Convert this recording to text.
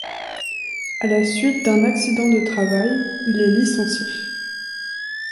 À la suite d'un accident de travail, il est licencié.